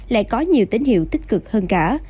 lại có nhiều tín hiệu tích cực hơn cả